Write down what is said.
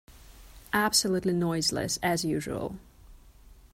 Absolutely noiseless, as usual.